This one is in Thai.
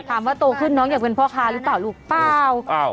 โตขึ้นน้องอยากเป็นพ่อค้าหรือเปล่าลูกเปล่า